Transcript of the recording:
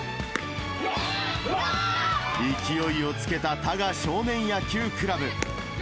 勢いをつけた多賀少年野球クラブ。